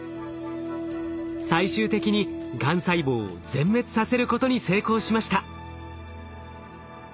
最終的にがん細胞を全滅させることに成功しました。